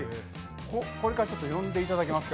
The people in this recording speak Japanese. これから呼んでいただけますか？